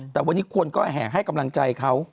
แต่วันนี้คนก็แห่ให้กำลังใจเขา